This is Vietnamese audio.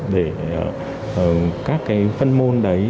để các phân môn đấy